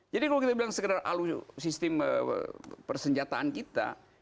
jadi kalau kita bilang sekedar alu sistem persenjataan kita